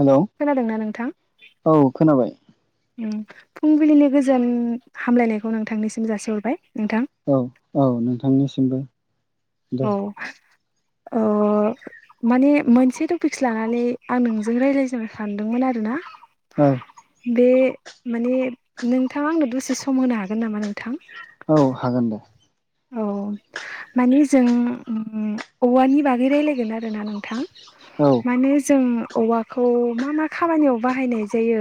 Hello खोनादोंना नोंथां? औ खोनाबाय उम फुंबिलिनि गोजोन हामलायनायखौ नोंथांनिसिम जासिहरबाय नोंथां औ औ नोंथांनिसिमबो दे औ औ औ ओ माने मोनसे टपिकस लानानै आं नोंजों रायज्लायजेननो सानदोंमोन आरो ना औ बे माने नोंथाङा आंनो दसे सम होनो हागोन नामा नोंथां? औ हागोन दे औ माने जों औवानि बागै रायलायगोन आरोना नोंथां औ माने जों औवाखौ मा मा खामानियाव बाहायनाय जायो?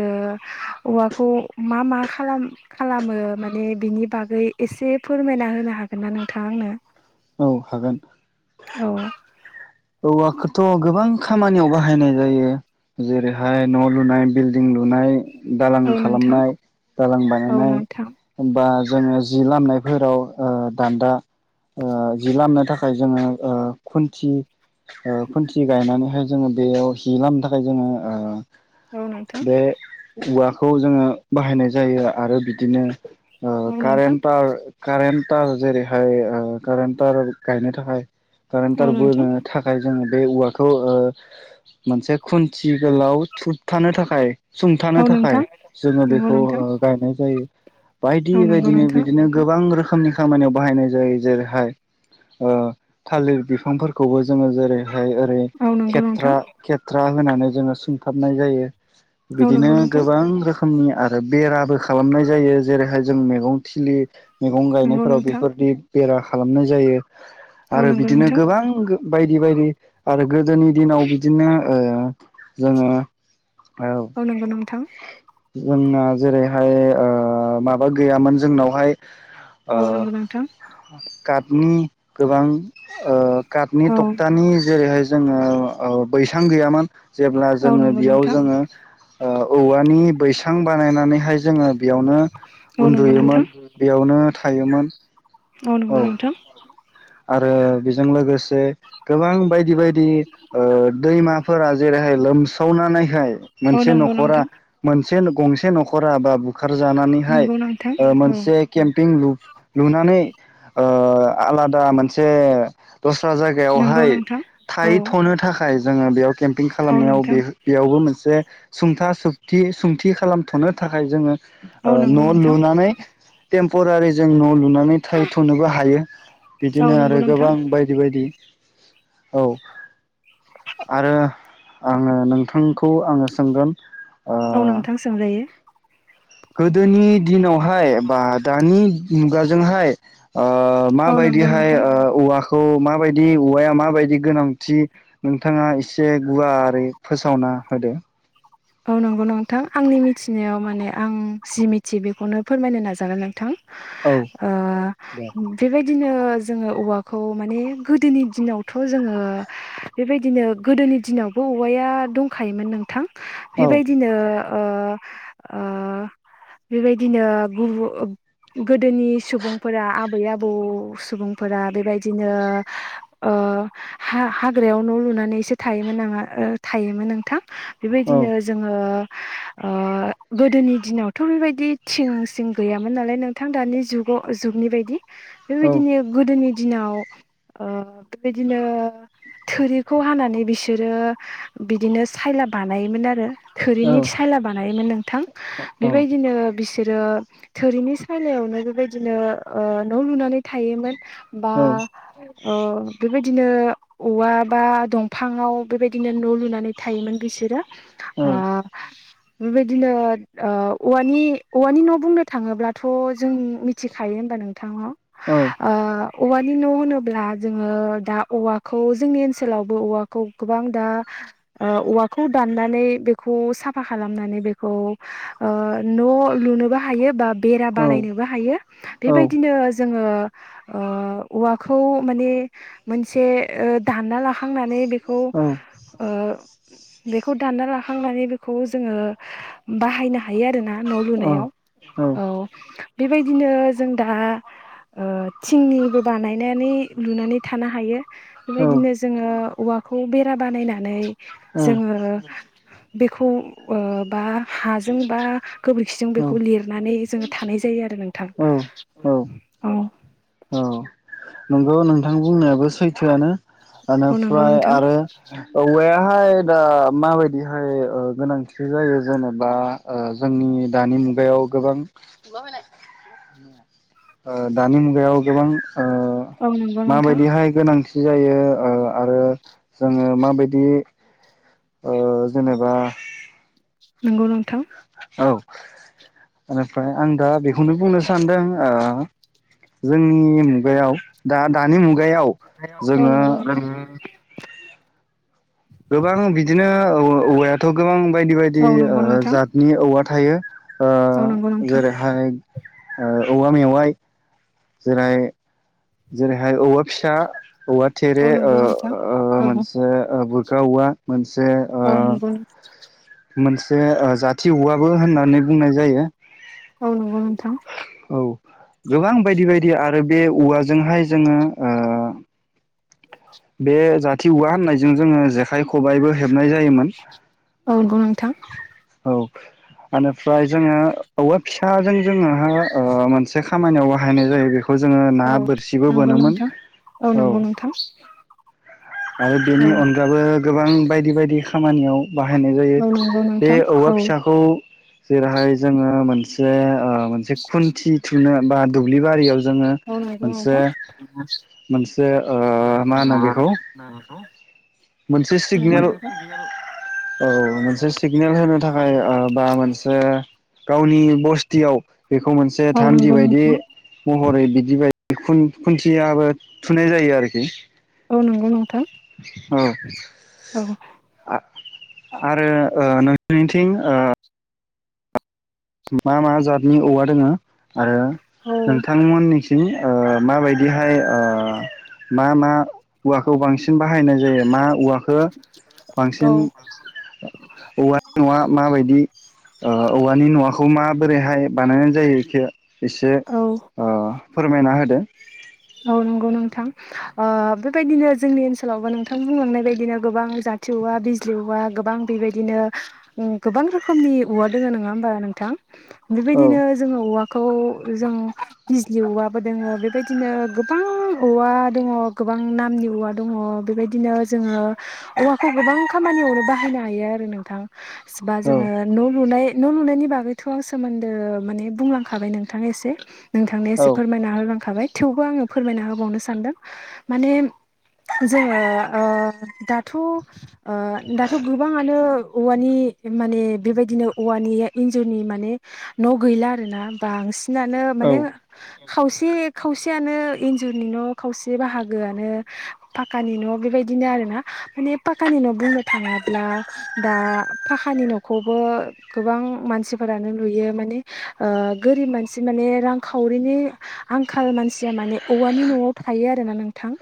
औवाखौ मा मा खालाम खालामो? माने बिनि बागै एसे फोरमायना होनो हागोन ना नोंथाङा आंनो? औ हागोन औ औवाखौथ' गोबां खामानियाव बाहायनाय जायो जेरैहाय न' लुनाय, बिल्डिं लुनाय, दालां औ नोंथां खालामनाय, दालां औ बानायनाय नोंथां बा जोङो जि लामनायफोराव ओ दान्दा ओ जि लामनो थाखाय जोङो ओ खुन्थि ओ खुन्थि गायनानैहाय जोङो बेयाव हि लामनो थाखाय जोङो औ नोंथां ओ बे औवाखौ जोङो बाहायनाय जायो आरो बिदिनो ओ औ नोंथां कारेन्टार कारेन्टार जेरैहाय ओ कारेन्टार गायनो थाखाय औ कारेन्टार बोनो नोंथां थाखाय जोङो बे औवाखौ ओ मोनसे खुन्थि गोलाव थुबथानो थाखाय सुंथानो औ नोंथां थाखाय जोङो नंगौ बेखौ नोंथां ओ गायनाय जायो बायदि औ नंगौ बायदिनो नोंथां बिदिनो गोबां रोखोम खोमनि खामानियाव बाहायनाय जायो जेरैहाय ओ थालिर बिफांफोरखौबो जोङो जेरैहाय ओरै औ नंगौ नोंथां खेथ्रा खेथ्रा होनानै जोङो सुंथाबनाय जायो औ बिदिनो नंगौ नोंथां गोबां रोखोम रोखोमनि आरो बेराबो खालामनाय जायो जेरैहाय जों मैगं थिलि मैगं नंगौ गायनायफोराव नोंथां बेफोरदि बेरा खालामनाय जायो औ आरो नंगौ बिदिनो नोंथां गोबां बायदि बायदि आरो गोदोनि दिनाव बिदिनो ओ जोङो औ नंगौ नोंथां । जोंना जेरैहाय ओ माबा गैयामोन जोंनावहाय ओ औ नंगौ नोंथां । काटनि गोबां ओ काटनि औ थटकथानि जे जेरैहाय जोङो ओ बैसां गैयामोन जेब्ला औ जोङो नंगौ बेयाव नोंथां जोङो ओ औवानि बैसां बानायनानैहाय जोङो बेयावनो औ नंगौ नोंथां उन्दुयोमोन बेयावनो थायोमोन । औ नंगौ नोंथां । आरो बेजों लोगोसे गोबां बायदि बायदि ओ दैमा फोरा जेरैहाय लोमसावनानैहाय औ मोनसे नंगौ न'खरा नोंथां मोन से गंसे न'खरा बा बुखारजानानैहाय नंगौ नोंथां ओ औ मोनसे केमपिं लु लुनानै ओ आलादा मोनसे‌ दस्रा नंगौ जायगायावहाय नोंथां औ थाहैथ'नो थाखाय जोङो बेयाव केम्पिं औ खालामनायाव नोंथां बे बेयावबो मोनसे जे सुंथा सकथि सुंथि खालामथ'नो थाखाय जोङो औ ओ नंगौ न' नोंथां लुनानै टेम्परारि जों न' लुनानै थाहैथ'नोबो हायो औ बिदिनो आरो नंगौ नोंथां गोबां बायदि-बायदि औ । आरो आङो नोंथांखौ आङो सोंगोन ओ औ नोंथां सोंजायो गोदोनि दिनावहाय बा दानि मुगाजोंहाय ओ औ नंगौ बायदिहाय नोंथां ओ औवा खौ माबायदि औवाया माबायदि गोनांथि नोंथाङा एसे गुवारै फोसावना होदो । औ नंगौ नोंथां आंनि मिथिनायाव माने आं जि मिथियो बेखौनो फोरमायनो नाजागोन नोंथां औ । दे ओ बिबेक दिनो जोंङो औवाखौ माने गोदोनि दिनावथ' जोङो बेबायदिनो गोदोनि नि दिनावबो औवाया दंखायोमोन नोंथां औ बेबायदिनो ओ ओ बेबायदिनो बुहु गोदोनि सुबुंफोरा आबै आबौ सुबुंफोरा बेबायदिनो ओ ओ हा-हाग्रायाव न' लुनानैसो थायोमोन नाङो ओ थायोमोन नोंथां । औ बेबायदिनो जोङो ओ गोदोनि दिनावथ' बेबायदि थिं सिं गैयामोन नालाय नोंथां दानि जुगाव जुगनि बायदि बेबायदिनो गोदोनि दिनाव ओ बेबायदिनो थोरिखौ हानानै बिसोरो बिदिनो सायलाब बानायोमोन आरो औ थोरिनि साइलाब बानायोमोन नोंथां औ बेबायदिनो बि बिसोरो थोरिनि सायलायावनो बेबायदिनो ओ न' लुनानै थायोमोन बा औ ओ बेबायदिनो औवा बा दंफाङाव बेबायदिनो न' लुनानै थायोमोन बिसोर ओ बेबायदिनो औवानि औवानि न' बुंनो थाङोब्लाथ' जों मिथिखायो होनबा नोंथांनाव औ ओ औवानि न' होनोब्ला जोङो दा औवाखौ जोंनि ओनसोलावबो औवाखौ गोबां दा ओ ओवा खौ दाननानै बेखौ साफा खालामनानै बेखौ न' लुनोबो हायो बा बेरा बानायनोबो हायो औ बेबायदिनो जोङो ओ औवाखौ माने मोनसे दानना खांनानै बेखौ बेखौ दानना लाखांनानै बेखौ जोंङो बाहायनो हायो आरोना। न लुनायाव औ बेबायदिनो जों दा। थिंनिबो बानायनानै लुनानै थानो हायो। बेबायदिनो जोंङो औवाखौ बेरा बानायनानै जोंङो। बेखौ बा हाजों बा। गोबोरखिजों बेखौ लिरनानै जोंङो थानाय जायो आरो नोंथां औ औ औ। ए। औ नंगौ नोंथां बुंनायाबो सैथोआनो औ नंगौ निफ्राय नोंथां आरो औवाया। दा माबायदिहाय गोनांथि जायो जेनेबा जोंनि दानि। बेयाव गोबां। ए। दानि मुगायाव गोबां। ओ औ नंगौ नोंथां माबायदिहाय गोनांथि जायो ओ आरो। जोंङो माबायदि। जेनेबा। नंगौ नोंथां। औ मफ्राय आं दा बेखौनो बुंनो सानदों। जोंनि मुगायाव दा दानि मुगायाव औ जोङो। नंगौ नोंथां गोबां बिदिनो औवायाथ गोबां बायदि औ बायदि नंगौ नोंथां जातनि औवा। थायो औ नंगौ नोंथां जेरैहाय औवा मेवाइ। जेरै जेरैहाय औमा फिसा। औवा औ थेरे नंगौ नोंथां औ मोनसे बुरगा औवा मोनसे। ओ औ नंगौ नोंथां। मोनसे जाथि औवाबो होननानै बुंनाय जायो औ नंगौ नोंथां। औ गोबां बायदि बायदि आरो बे औवाजोंहाय जोंङो। बे जाथि औवा होननायजों जोंङो जेखाइ खबाइबो हेबनाय जायोमोन। औ नंगौ नोंथां। औ [inaudible] बेनिफ्राय जोंङो औवा फिसाजों जोंङो मोनसे खामानियाव बाहायनाय जायो बेखौ। बे खौ जोंङो ना औ बोरसिबो नंगौ बोनोमोन नोंथां औ। नंगौ नोंथां आरो बेनि औ अनगाबो गोबां बायदि बायदि खामानियाव। बाहायनाय जायो औ नंगौ बे नोंथां औवा औ फिसाखौ जेरैहाय जोंङो मोनसे। ओ मोनसे खुन्थि थुनो बा दुब्लि बारियाव। जोंङो औ नंगौ मोनसे नोंथां मोनसे मा होनो बेखौ। मोनसे सिगनेल नंगौ नोंथां औ मोनसे सिगनेल होनो थाखाय बा मोनसे गावनि बस्थि। बेखौ मोनसे औ थान्दि नंगौ बायदि नोंथां महरै बिदि बाय। खुन्थियाबो थुनाय जायो आरोखि। औ नंगौ नोंथां औ [inaudible] औ। आरो नोंनिथिं। मा मा जतनि औवा दोंङो आरो नोंथांमोननि। ओ माबायदिहाय ओ मा मा औवाखौ बांसिन बाहायनाय जायो मा औवाखौ औ बांसिन औवानि नआ माबायदि औवानि न' खौ माबोरैहाय बानायनाय जायो बेखौ एसे औ औ फोरमायना होदो। औ नंगौ नोंथां बेबायदिनो जोंनि ओनसोलावबो नोंथां बुंलांनाय बायदिनो गोबां जाट खाथि औवा, बिजलि औवा गोबां बेबायदिनो गोबां रोखोमनि औवा दंङ नङा होमबा नोंथां? औ बेबायदिनो जोंङो औवाखौ जों बिजलि औवाबो दोङो बेबायदिनो गोबां औवा दङ गोबां नामनि औवा दङ बेबायदिनो जोङो औवाखौ गोबां खामानियावनो बाहायनो हायो आरो नोंथां बा औ जोङो न' लुनाय न' लुनायनि बागैथ' आं सोमोन्दो माने बुंलांखाबाय नोंथांनो एसे। नोंथांनो औ एसे फोरमायना होलांखाबाय थेवबो आङो फोरमायना होबावनो सानदों । माने जोङो ओ दाथ' ओ दाथ' गोबाङानो औवानि माने बेबायदिनो औवानि इन्जुरनि माने न' गैला आरो ना बांस नानो औ माने खावसे खावसेयानो इन्जुरनि न' खावसे बाहागोआनो पाकानि न' बेबायदिनो आरो ना माने पाकानि बुंनो थाङाब्ला दा पाखानि न'खौबो गोबां मानसिफोरानो लुयो माने ओ गोरिब मानसि माने रांखावरिनि आंखाल मानसिया माने औवानि न'आव थायो आरोना नोंथां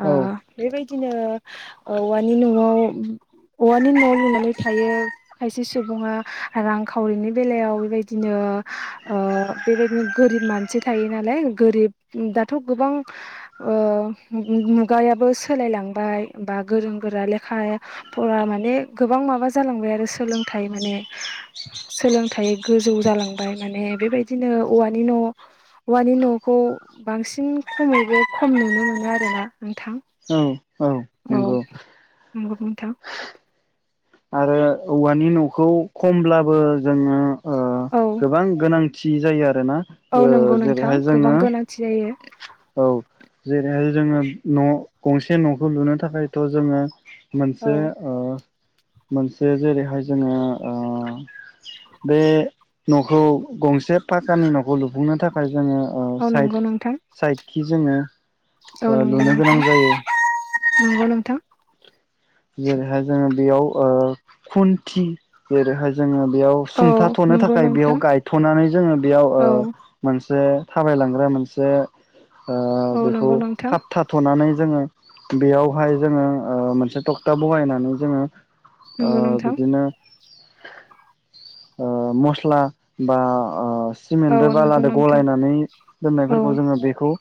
अ औ बेबायदिनो औवानि न'आव औवानि न' लुनानै थायो खायसे सुबुङा रांखावरिनि बेलायाव बेबायदिनो अ ओ बेबायदिनो गोरिब मानसि थायो नालाय गोरिब दा थ' गोबां ओ मु-मुगायाबो सोलायलांबाय बा गोरों गोरा लेखा खा फरा माने गोबां माबा जालांबाय आरो सोलोंथाइ माने सोलोंथाइ गोजौ जालांबाय माने बेबायदिनो औवानि न' औवानि न'खौ बांसिन खमैबो खम नुनो मोनो आरोना नोंथां । औ औ औ नंगौ नंगौ नोंथां । आरो औवानि न'खौ खमब्लाबो जोङो ओ औ गोबां गोनांथि जायो आ रोना औ नंगौ नोंथां जेरैहाय गोबां जोङो गोनांथि जायो औ जेरैहाय जोङो न' गंसे न'खौ लुनो थाखायथ' जोङो औ मोनसे ओ मोनसे जेरैहाय जोङो ओ बे न'खौ गंसे पाकानि न'खौ लुफुंनो थाखाय जोङो औ साइद नंगौ नोंथां साइडखि जोङो औ नंगौ लुनो नोंथां गोनां जायो । नंगौ नोंथां। जेरैहाय जोङो बेयाव ओ खुन्थि जेरैहाय जोङो बेयाव औ सुंथाथ'नो नंगौ थाखाय बेयाव नोंथां गायथ'नानै जोङो बेयाव ओ औ मोन से थाबाय लांग्रा मोनसे ओ औ बेखौ नंगौ नोंथां खाबथा थ'नानै जोङो बेयावहाय जोङो मोनसे ओ तकथा बहायनानै जोङो ओ नंगौ नोंथां बिदिनो ओ मस्ला बा अ औ सिमेनदो नंगौ बालादो नोंथां गलायनानै औ दोननायफोरखौ जोङो बेखौ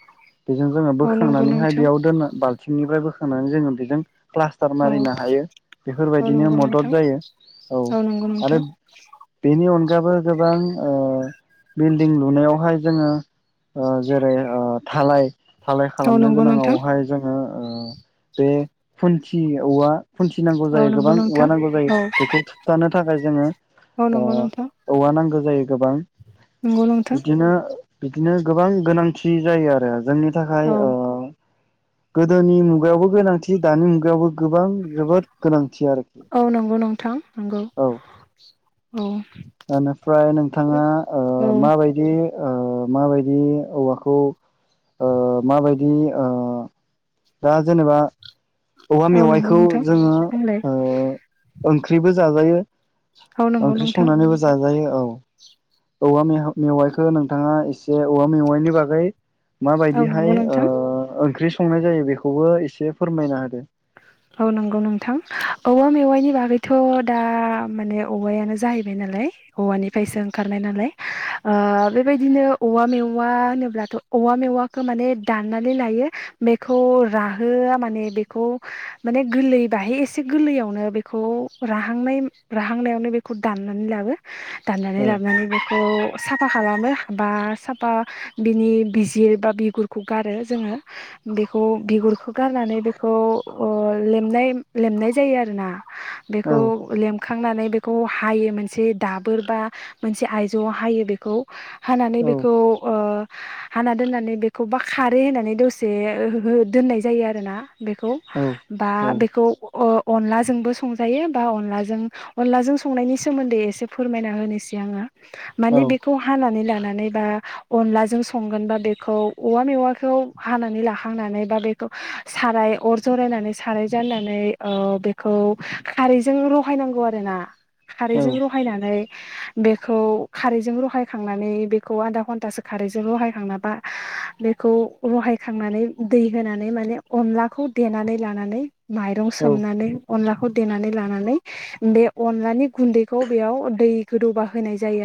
बेजों जोङो औ नंगौ बोखांनानैहाय नोंथां बेयाव दोनो बाल्थिंनिफ्राय बोखांनानै जोङो बेजों प्ला सटार औ मारिनो हायो । औ बेफोरबायदिनो नंगौ मदद नोंथां जायो औ नंगौ आरो नोंथां बेनि अन गाबो गोबां बिल्डिं लुनायावहाय जोङो ओ जेरै ओ धालाय धालाय औ खालामनो नंगौ नोंथां गोनाङावहाय जोङो ओ बे खुन्थि औवा खुन्थि नांगौ औ जायो गोबां नंगौ औवा नोंथां नांगौ जायो औ बेखौ थुबथानो थाखाय जोङो औ ओ नंगौ नोंथां औवा । नांगौ जायो गोबां बिदिनो बिदिनो गोबां गोनांथि जायो आरो जोंनि थाखाय औ ओ गोदोनि मुगायावबो गोनांथि दानि मु गायावबो गोबां जोबोद गोनां औ नंगौ नोंथां नोंगौ औ । ओनिफ्राय नोंथाङा ओ औ माबायदि ओ माबायदि औवाखौ ओ माबायदि ओ दा जेनेबा औवा औ नंगौ मेवाइखौ नोंथां जोङो बुंलाय ओ ओंख्रिबो जाजायो । औ नंगौ ओंख्रि नोंथां संनानैबो जाजायो औ ‌। औ मेहा-मेवाइखौ नोंथाङा एसे औवा मेवाइनि बागै औ नंगौ माबायदिहाय ओ नोंथां ओंख्रि संनाय जायो बेखौबो एसे फोरमायना हो औ नंगौ नोंथां औवा मेवाइनि बागैथ' दा माने औवायानो जाहैबाय नालाय औवानिफ्रायसो ओंखारनाय नालाय ओ बेबायदिनो औवा मेवा होनोब्लाथ' औवा मेवाखो माने दानना नै लायो बेखौ राहोआ माने बेखौ माने गोरलै बाहाय एसे गोरलैयावनो बेखौ राहांनाय-राहांनायावनो बेखौ दान नानै लाबो दाननानै औ लाबोनानै बेखौ साफा खालामो बा साफा बिनि बिजिर बा बिगुरखौ गारो जोङो। बेखौ बिगुरखो गारनानै बेखौ ओ लेमनाय-लेमनाय जायो आरोना बेखौ औ लेम खांनानै बेखौ हायो मोनसे दाबोर बा मोनसे आइजौआव हायो बेखौ हानानै औ बेखौ ओ हाना दोननानै बेखौ बा खारै होननानै दसे हो दोननाय जायो आरोना बेखो औ बा बेखौ ओ अनलाजोंबो संजायो बा अनलाजों-अनलाजों संनायनि सोमोन्दै एसे फोरमायना होनोसै आङो। औ माने औ बेखौ हानानै ला नानै बा अनलाजों संगोना बेखौ औवा मेवाखौ हानानै लाखांनानै बा बे खौ साराय अर जरायनानै साराय जाननानै ओ बेखौ खारैजों रहायनांगौ आरो ना। खारैजों रहायनानै बेखौ खारैजों रहायखांनानै बेखौ आधा घन्टासो खा रै रहायखां बा बेखौ रहायखांनानै दै होनानै माने अनलाखौ देनानै लानानै माइरं औ औ सोमनानै, अनलाखौ देनानै लानानै बे अनलानि गुन्दैखौ बेयाव दै गोदौबा होनाय जायो।